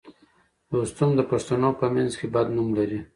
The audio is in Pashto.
دوستم د پښتنو په منځ کې بد نوم لري